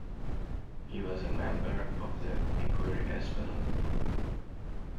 He was a member of the Ecurie Espadon.